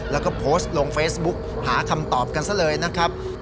แล้วก็โพสต์ลงเฟซบุ๊กหาคำตอบกันซะเลยนะครับ